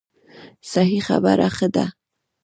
صحیح خبره ښه ده.